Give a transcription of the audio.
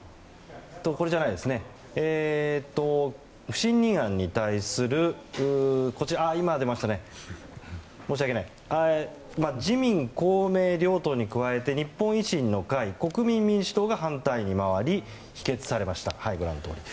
不信任案に対する提出について自民・公明両党に加えて日本維新の会国民民主党が反対にまわり否決されました。